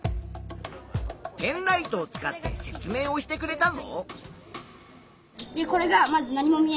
ペンライトを使って説明をしてくれたぞ。